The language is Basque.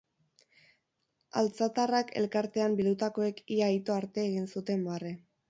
Altzatarrak elkartean bildutakoek ia ito arte egin zuten barre.